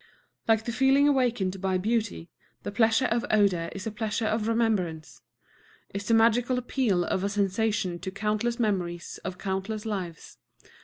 Like the feeling awakened by beauty, the pleasure of odor is a pleasure of remembrance, is the magical appeal of a sensation to countless memories of countless lives.